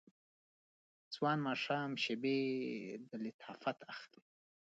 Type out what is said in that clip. ځوان ماښام شیبې د لطافت اخلي